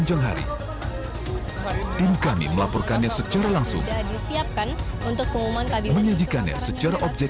jangan lupa like share dan subscribe